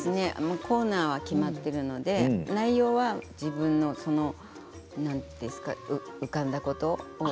コーナーは決まっているので内容は自分の浮かんだこと。